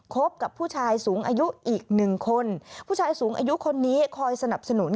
คบกับผู้ชายสูงอายุอีกหนึ่งคนผู้ชายสูงอายุคนนี้คอยสนับสนุน